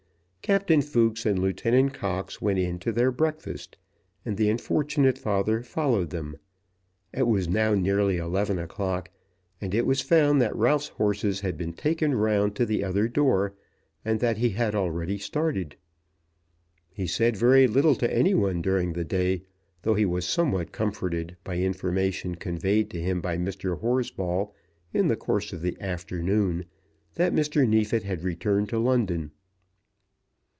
Captain Fooks and Lieutenant Cox went in to their breakfast, and the unfortunate father followed them. It was now nearly eleven o'clock, and it was found that Ralph's horses had been taken round to the other door, and that he had already started. He said very little to any one during the day, though he was somewhat comforted by information conveyed to him by Mr. Horsball in the course of the afternoon that Mr. Neefit had returned to London.